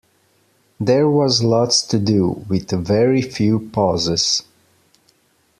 There was lots to do, with very few pauses.